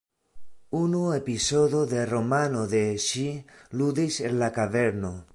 Unu epizodo de romano de ŝi ludis en la kaverno.